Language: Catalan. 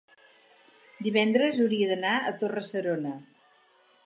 divendres hauria d'anar a Torre-serona.